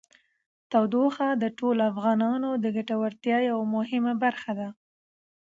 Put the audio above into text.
تودوخه د ټولو افغانانو د ګټورتیا یوه مهمه برخه ده.